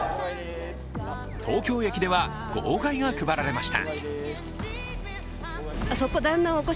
東京駅では号外が配られました。